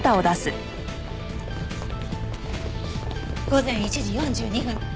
午前１時４２分